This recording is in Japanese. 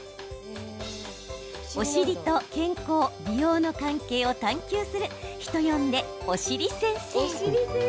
お尻と健康美容の関係を探求する人呼んで、お尻先生。